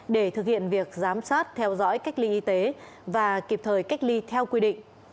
để thực hiện việc giám sát theo dõi cách ly y tế và kịp thời cách ly theo quy định